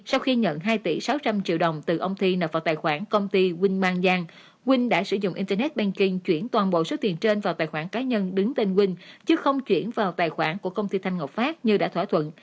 sau khi nhận hai tỷ sáu trăm linh triệu đồng từ ông thi nạp vào tài khoản công ty win mang giang quynh đã sử dụng internet banking chuyển toàn bộ số tiền trên vào tài khoản cá nhân đứng tên quynh chứ không chuyển vào tài khoản của công ty thanh ngọc phát như đã thỏa thuận